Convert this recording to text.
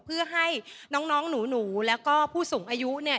เพื่อให้น้องหนูแล้วก็ผู้สูงอายุเนี่ย